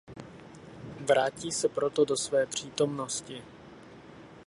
Vrátí se proto do své přítomnosti.